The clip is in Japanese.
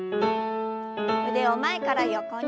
腕を前から横に。